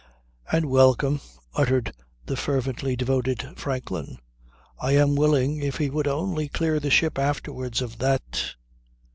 "And welcome," uttered the fervently devoted Franklin. "I am willing, if he would only clear the ship afterwards of that